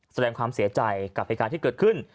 แสดงความเสียใจกับเหตุการณ์ที่เกิดขึ้น